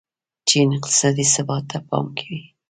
چین اقتصادي ثبات ته پام کوي.